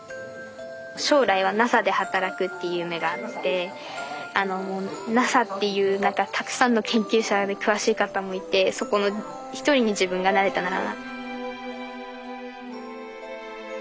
将来はＮＡＳＡで働くっていう夢があってＮＡＳＡっていうたくさんの研究者で詳しい方もいてそこの一人に自分がなれたらなって。